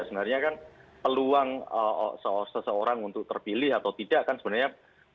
sebenarnya kan peluang seseorang untuk terpilih atau tidak kan sebenarnya sesuatu yang bisa didalkulasi